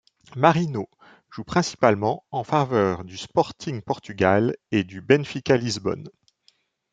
Marinho joue principalement en faveur du Sporting Portugal et du Benfica Lisbonne.